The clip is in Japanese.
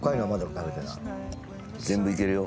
全部いけるよ。